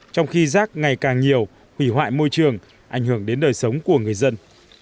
trong khi rác ngày càng nhiều hủy hoại môi trường ảnh hưởng đến đời sống của người dân